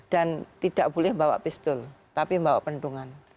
dan tidak boleh bawa pistol tapi bawa pentungan